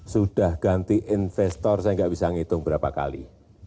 sudah ganti investor saya nggak bisa ngitung berapa kali